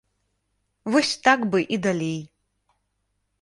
Вось так бы і далей.